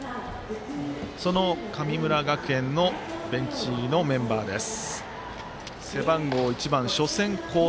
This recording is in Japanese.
その神村学園のベンチ入りのメンバーです。